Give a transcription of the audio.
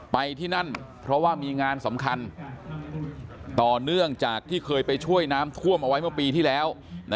ไปที่นั่นเพราะว่ามีงานสำคัญต่อเนื่องจากที่เคยไปช่วยน้ำท่วมเอาไว้เมื่อปีที่แล้ว